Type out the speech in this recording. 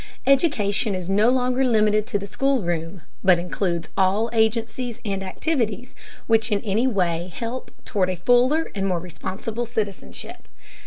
Education is no longer limited to the schoolroom, but includes all agencies and activities which in any way help toward a fuller and more responsible citizenship.